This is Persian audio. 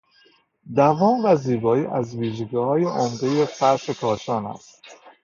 دوام و زیبایی از ویژگیهای عمدهی فرش کاشان است.